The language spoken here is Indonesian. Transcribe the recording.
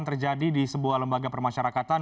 yang terjadi di sebuah lembaga permasyarakatan